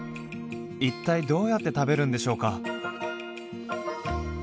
一体どうやって食べるんでしょうか？